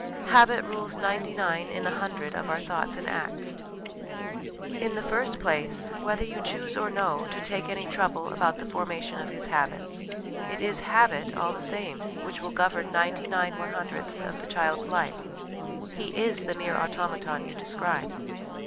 Habit rules ninety nine in a hundred of our Thoughts and Acts. In the first place, whether you choose or no to take any trouble about the formation of his habits, it is habit > all the same, which will govern ninety nine one hundredths of the child's life : he is the mere automaton you describe.